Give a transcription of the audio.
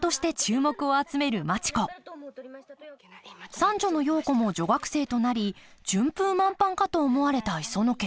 三女のヨウ子も女学生となり順風満帆かと思われた磯野家。